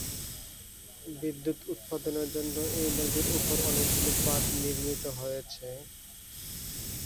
বিদ্যুৎ উৎপাদনের জন্য এই নদীর উপর অনেকগুলি বাঁধ নির্মিত হয়েছে।